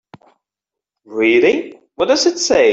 Really, what does it say?